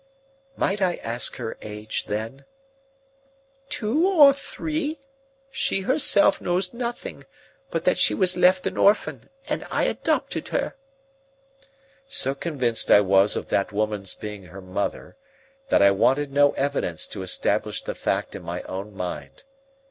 "Might I ask her age then?" "Two or three. She herself knows nothing, but that she was left an orphan and I adopted her." So convinced I was of that woman's being her mother, that I wanted no evidence to establish the fact in my own mind.